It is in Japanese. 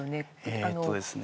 えっとですね